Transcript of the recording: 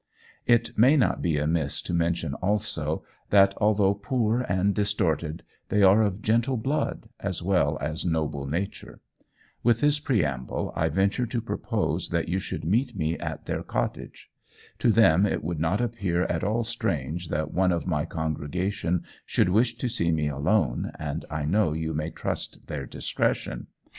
It may not be amiss to mention also that, although poor and distorted, they are of gentle blood as well as noble nature. With this preamble, I venture to propose that you should meet me at their cottage. To them it would not appear at all strange that one of my congregation should wish to see me alone, and I know you may trust their discretion.